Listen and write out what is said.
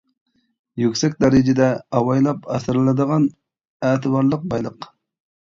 يۈكسەك دەرىجىدە ئاۋايلاپ ئاسرىلىدىغان ئەتىۋارلىق بايلىق.